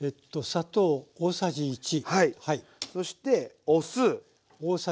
そしてお酢。